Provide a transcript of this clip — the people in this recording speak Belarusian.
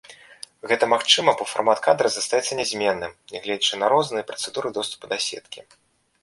Гэта магчыма, бо фармат кадра застаецца нязменным, нягледзячы на розныя працэдуры доступу да сеткі.